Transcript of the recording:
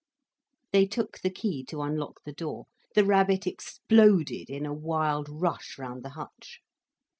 They took the key to unlock the door. The rabbit exploded in a wild rush round the hutch.